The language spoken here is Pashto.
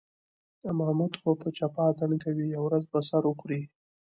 محمود خو په چپه اتڼ کوي، یوه ورځ به سر وخوري.